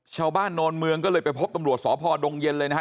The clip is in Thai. โนนเมืองก็เลยไปพบตำรวจสพดงเย็นเลยนะฮะ